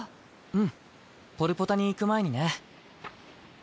うんポルポタに行く前にね。